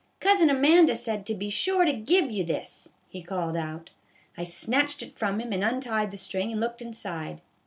' Cousin Amanda said to be sure to give you this,' he called out. I snatched it from him and untied the string and looked inside.